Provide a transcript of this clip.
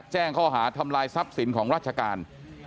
แจ้งข้อหาทำลายทรัพย์สินของราชการ